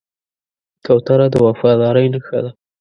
کوتره د وفادارۍ نښه ده.